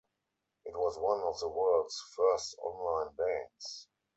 It was one of the world's first online banks.